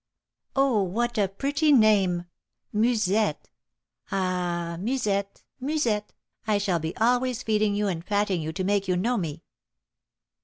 "Oh, what a pretty name! Musette! Ah, Musette, Musette, I shall be always feeding you and patting you to make you know me."